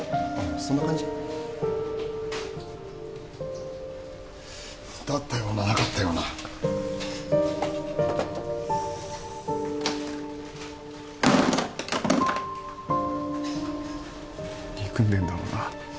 そんな感じだったようななかったような憎んでるんだろうな